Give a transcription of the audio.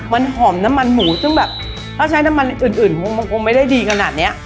มันหอมน้ำมันหมูซึ่งแบบถ้าใช้น้ำมันอื่นคงไม่ได้ดีขนาดเนี้ย